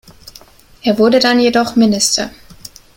Er wurde dann jedoch Minister.